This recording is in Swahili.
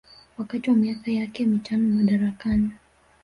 wakati wa miaka yake mitano madarakani